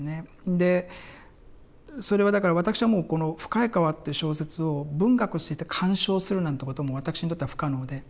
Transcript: でそれはだからわたくしはもうこの「深い河」っていう小説を文学として鑑賞するなんてこともわたくしにとっては不可能で。